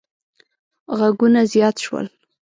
غږونه زیات شول.